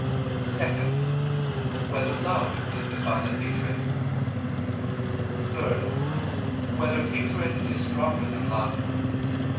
(2) Whether love is the cause of hatred? (3) Whether hatred is stronger than love?